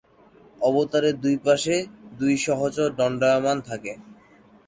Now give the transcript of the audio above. অবতারের দুইপাশে দুটি সহচর দণ্ডায়মান থাকে।